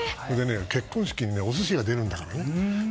結婚式にお寿司が出るんだからね。